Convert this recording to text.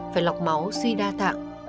phải lọc máu suy đa tạng